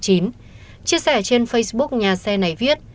chia sẻ trên facebook nhà xe này viết